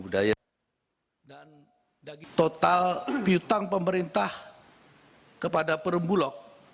dan total utang pemerintah kepada perum bulog